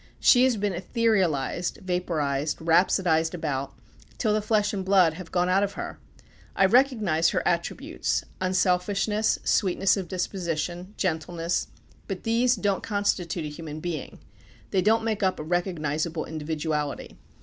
She has been etherealized, vapourized, rhapsodized about, till the flesh and blood have gone out of her. I recognize her attributes, unselfishness, sweetness of disposition, gentleness. But these don't constitute a human being. They don't make up a recognizable individuality.